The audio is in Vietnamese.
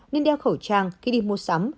nên đeo khẩu trang khi đi mua sắm